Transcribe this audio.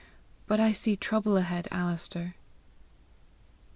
But I see trouble ahead, Alister!"